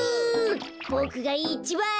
ボクがいちばん。